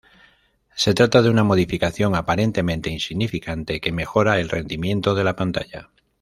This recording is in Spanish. Se trata de una modificación aparentemente insignificante, que mejora el rendimiento de la pantalla.